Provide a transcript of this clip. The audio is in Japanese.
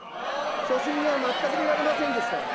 所信には全く見られませんでした。